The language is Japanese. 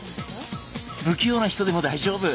不器用な人でも大丈夫。